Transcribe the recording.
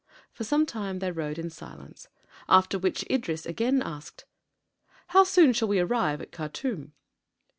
For some time they rode in silence; after which Idris again asked: "How soon shall we arrive at Khartûm?"